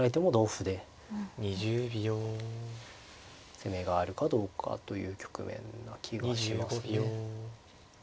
攻めがあるかどうかという局面な気がしますね。